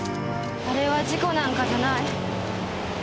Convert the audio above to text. あれは事故なんかじゃない。